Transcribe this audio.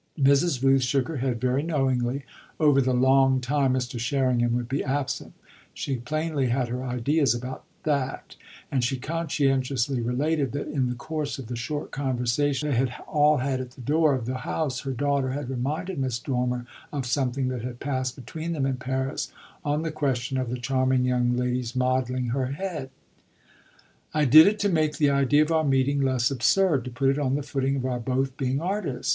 Mrs. Rooth shook her head very knowingly over the "long time" Mr. Sherringham would be absent she plainly had her ideas about that; and she conscientiously related that in the course of the short conversation they had all had at the door of the house her daughter had reminded Miss Dormer of something that had passed between them in Paris on the question of the charming young lady's modelling her head. "I did it to make the idea of our meeting less absurd to put it on the footing of our both being artists.